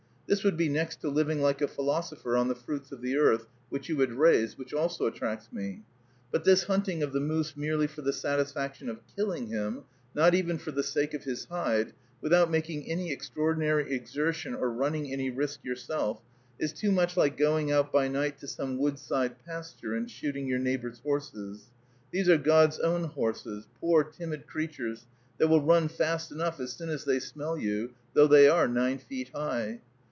This would be next to living like a philosopher on the fruits of the earth which you had raised, which also attracts me. But this hunting of the moose merely for the satisfaction of killing him, not even for the sake of his hide, without making any extraordinary exertion or running any risk yourself, is too much like going out by night to some wood side pasture and shooting your neighbor's horses. These are God's own horses, poor, timid creatures, that will run fast enough as soon as they smell you, though they are nine feet high.